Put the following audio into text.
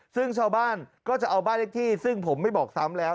ซึ่งชาวบ้านก็จะเอาบ้านเลขที่ซึ่งผมไม่บอกซ้ำแล้ว